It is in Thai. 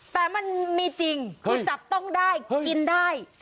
แต่มันมีจริงคือจับต้องได้กินได้